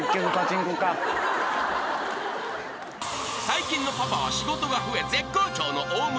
［最近のパパは仕事が増え絶好調の大村親子］